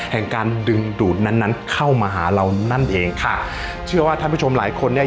การดึงดูดนั้นนั้นเข้ามาหาเรานั่นเองค่ะเชื่อว่าท่านผู้ชมหลายคนเนี่ย